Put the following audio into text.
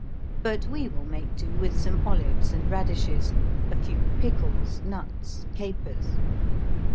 But we will make do with some olives and radishes, a few pickles, nuts, capers.